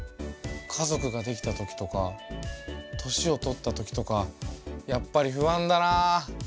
家族ができたときとか年を取ったときとかやっぱり不安だなあ。